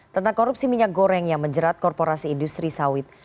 tentang korupsi minyak goreng yang menjerat korporasi industri sawit